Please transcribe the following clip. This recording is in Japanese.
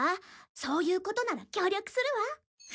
そういうことなら協力するわ。